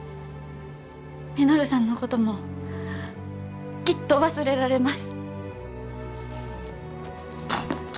稔さんのこともきっと忘れられます。